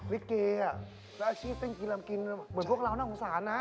นี่เกร่ะเป็นอาชีพติ้งกินลำกินเหมือนพวกเราน่าออกสารนะ